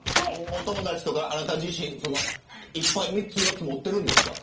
お友達やあなた自身いっぱい持っているんですか。